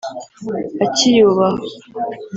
akiyubaha